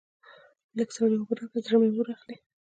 لږ سړې اوبه راکړئ؛ زړه مې اور اخلي.